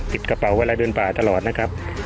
กระเป๋าเวลาเดินป่าตลอดนะครับ